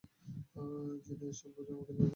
জিনা, এসব বুঝ আমাকে দিও না।